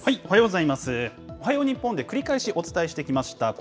おはよう日本で、繰り返しお伝えしてきました、